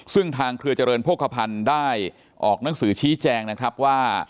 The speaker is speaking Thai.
ซึ่งทางเครือเจริญโภคภัณฑ์ได้ออกหนังสือชี้แจงนะครับว่า